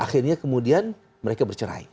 akhirnya kemudian mereka bercerai